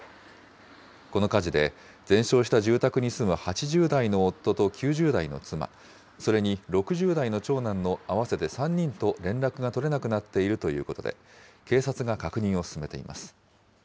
この火事で、全焼した住宅に住む８０代の夫と９０代の妻、それに６０代の長男の合わせて３人と連絡が取れなくなっているということで、警察が確認を進めています。